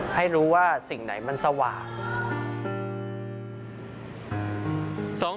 ให้รู้ว่าสิ่งไหนมันสว่าง